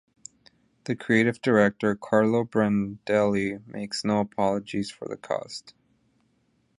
The Creative Director Carlo Brandelli makes no apologies for the cost.